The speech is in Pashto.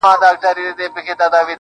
عجب راگوري د خوني سترگو څه خون راباسـي